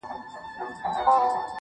• هر کورته امن ور رسېدلی -